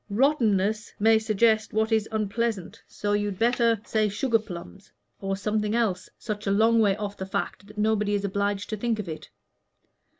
'Rottenness' may suggest what is unpleasant, so you'd better say 'sugar plums,' or something else such a long way off the fact that nobody is obliged to think of it.